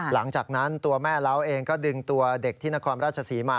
หลังจากนั้นตัวแม่เล้าเองก็ดึงตัวเด็กที่นครราชศรีมา